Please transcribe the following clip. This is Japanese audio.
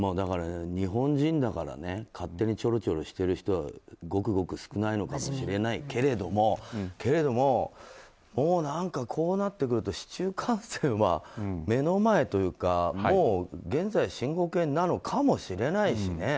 日本人だからね勝手にチョロチョロしてる人はごくごく少ないのかもしれないけれどもこうなってくると市中感染は目の前というか現在進行形なのかもしれないしね。